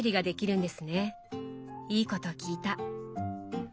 いいこと聞いた。